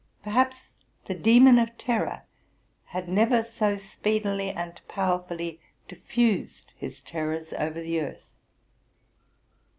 Perhaps the demon of terror had never so speedily and powerfully diffused his ter rors over the earth.